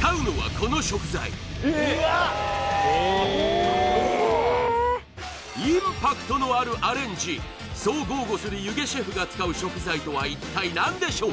使うのはこの食材えっえっインパクトのあるアレンジそう豪語する弓削シェフが使う食材とは一体何でしょう？